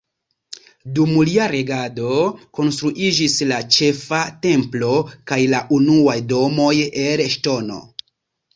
Dum lia regado konstruiĝis la Ĉefa Templo kaj la unuaj domoj el ŝtono.